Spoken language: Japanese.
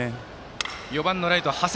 ４番ライト、長谷。